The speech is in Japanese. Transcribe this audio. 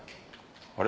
あれ？